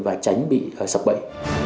và tránh bị sập bậy